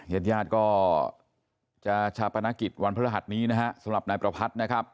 ญาติญาติก็จะชาปนกิจวันพระรหัสนี้นะฮะสำหรับนายประพัทธ์นะครับ